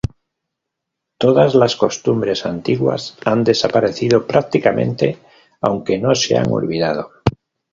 Todas las costumbres antiguas han desaparecido prácticamente, aunque no se han olvidado.